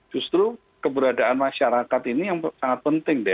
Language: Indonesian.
justru keberadaan masyarakat ini yang sangat penting deh